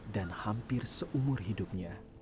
dan hampir seumur hidupnya